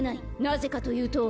なぜかというと。